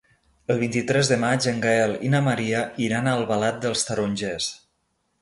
El vint-i-tres de maig en Gaël i na Maria iran a Albalat dels Tarongers.